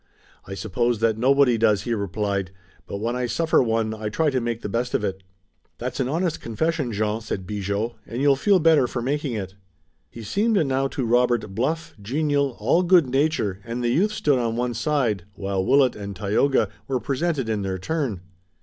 "I suppose that nobody does!" he replied, "but when I suffer one I try to make the best of it." "That's an honest confession, Jean," said Bigot, "and you'll feel better for making it." He seemed now to Robert bluff, genial, all good nature, and the youth stood on one side, while Willet and Tayoga were presented in their turn.